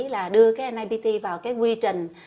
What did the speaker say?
một nghìn tám trăm linh bảy là đưa cái napt vào cái quy trình